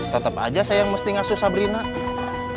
tetep aja sayang mesti gak susah berinak